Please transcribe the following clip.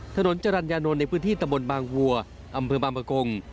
ถนนจรรยานนท์ในพื้นที่ตะบนบางวัวอำเภอบางประกง